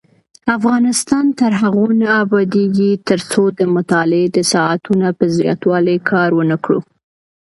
افغانستان تر هغو نه ابادیږي، ترڅو د مطالعې د ساعتونو په زیاتوالي کار ونکړو.